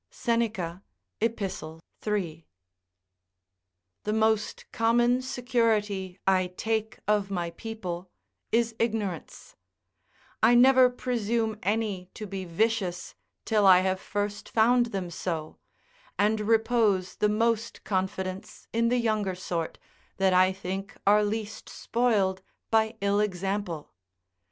Seneca, Epist., 3.] The most common security I take of my people is ignorance; I never presume any to be vicious till I have first found them so; and repose the most confidence in the younger sort, that I think are least spoiled by ill example.